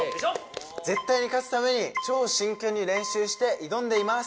絶対に勝つために真剣に練習しています。